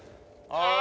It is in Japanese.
ああ！